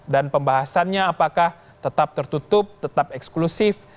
dan pembahasannya apakah tetap tertutup tetap eksklusif